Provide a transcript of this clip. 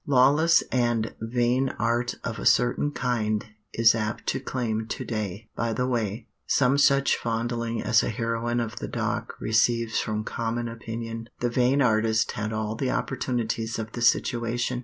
Lawless and vain art of a certain kind is apt to claim to day, by the way, some such fondling as a heroine of the dock receives from common opinion. The vain artist had all the opportunities of the situation.